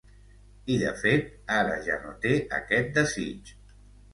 I de fet, ara ja no té aquest desig.